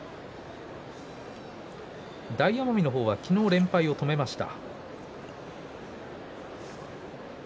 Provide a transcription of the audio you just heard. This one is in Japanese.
大奄美の方は昨日連敗を止めました。